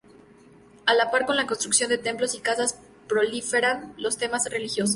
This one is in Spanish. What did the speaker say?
A la par con la construcción de templos y casas proliferan los temas religiosos.